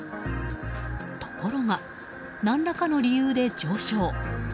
ところが、何らかの理由で上昇。